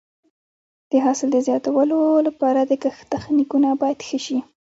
د حاصل د زیاتوالي لپاره د کښت تخنیکونه باید ښه شي.